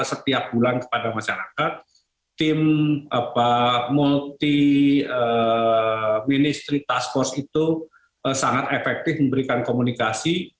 setiap bulan kepada masyarakat tim multi ministry task force itu sangat efektif memberikan komunikasi